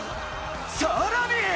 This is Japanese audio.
さらに！